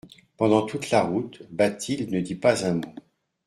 Pendant toute la route, Bathilde ne dit pas un mot.